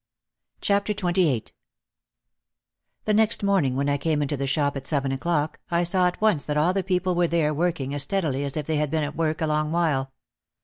112 OUT OF THE SHADOW XXVIII The next morning when I came into the shop at seven o'clock, I saw at once that all the people were there and working as steadily as if they had been at work a long while.